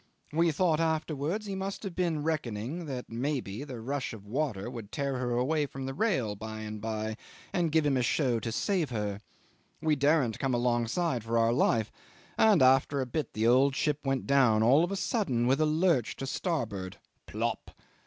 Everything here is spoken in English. We thought afterwards he must've been reckoning that, maybe, the rush of water would tear her away from the rail by and by and give him a show to save her. We daren't come alongside for our life; and after a bit the old ship went down all on a sudden with a lurch to starboard plop.